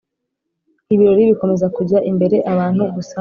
ibirori bikomeza kujya imbere abantu gusa